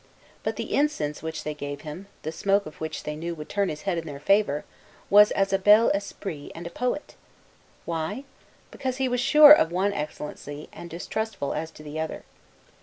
But the incense which they gave him, the smoke of which they knew would turn his head in their favor, was as a 'bel esprit' and a poet. Why? Because he was sure of one excellency, and distrustful as to the other.